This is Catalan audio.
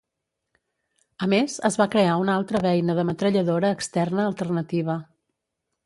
A més, es va crear una altra beina de metralladora externa alternativa.